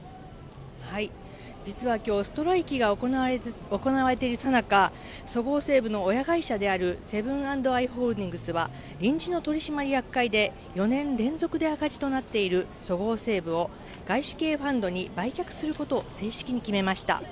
実はきょう、ストライキが行われているさなか、そごう・西武の親会社であるセブン＆アイ・ホールディングスは、臨時の取締役会で、４年連続で赤字となっているそごう・西武を外資系ファンドに売却することを正式に決めました。